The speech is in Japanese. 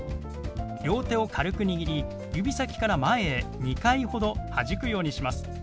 両手を軽く握り指先から前へ２回ほどはじくようにします。